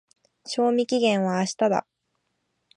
賞味期限は明日だ。